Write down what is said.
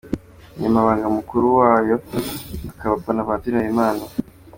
Umunyamabanga Mukuru wayo akaba Bonaventure Habimana.